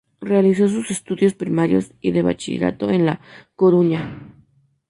Realizó sus estudios primarios y de bachillerato en La Coruña.